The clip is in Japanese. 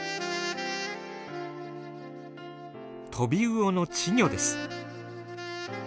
トビウオの稚魚です。